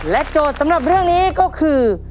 โจทย์สำหรับเรื่องนี้ก็คือ